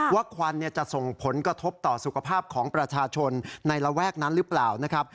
ควันจะส่งผลกระทบต่อสุขภาพของประชาชนในระแวกนั้นหรือเปล่านะครับ